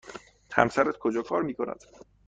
همسرت کجا کار می کند؟